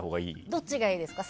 どっちがいいですか？